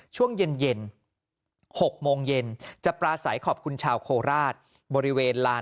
ช่วงเย็น๖โมงเย็นจะปราศัยขอบคุณชาวโคราชบริเวณลาน